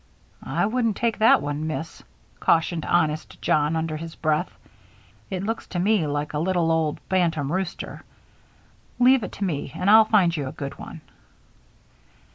"I wouldn't take that one, Miss," cautioned honest John, under his breath, "it looks to me like a little old bantam rooster. Leave it to me and I'll find you a good one."